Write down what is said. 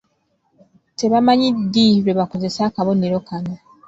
Tebamanyi ddi lwe bakozesa akabonero kano!